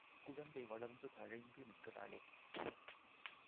குழந்தை வளர்ந்து தழைந்து நிற்கிறாளே!